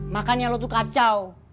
makanya lu tuh kacau